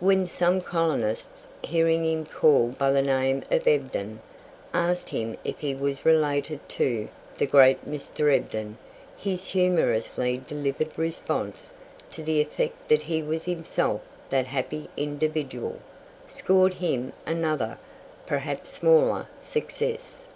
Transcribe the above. When some colonist, hearing him called by the name of Ebden, asked him if he was related to "the great Mr. Ebden," his humorously delivered response, to the effect that he was himself that happy individual, scored him another, perhaps smaller, success.